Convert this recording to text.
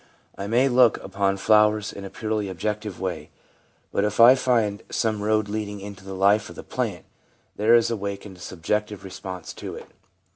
I may look upon flowers in a purely objective way, but if I find some road leading into the life of the plant, there is awakened a subjective response to it.